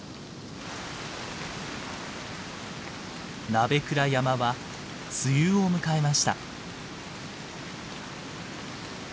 鍋倉山は梅雨を迎えました。